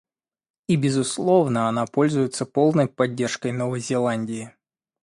И безусловно, она пользуется полной поддержкой Новой Зеландии.